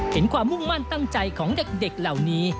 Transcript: ความมุ่งมั่นตั้งใจของเด็กเหล่านี้